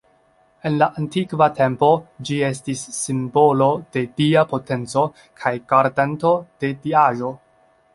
En la antikva tempo ĝi estis simbolo de dia potenco kaj gardanto de diaĵo.